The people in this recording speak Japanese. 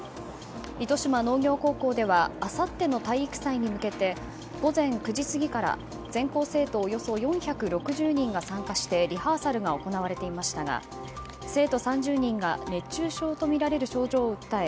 糸島農業高校ではあさっての体育祭に向けて午前９時過ぎから全校生徒およそ４６０人が参加してリハーサルが行われていましたが生徒３０人が熱中症とみられる症状を訴え